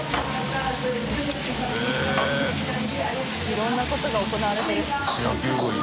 いろんなことが行われてる野球部員。